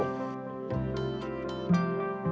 sungai krukut dan sungai cideng